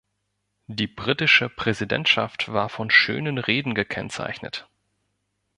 Die britische Präsidentschaft war von schönen Reden gekennzeichnet.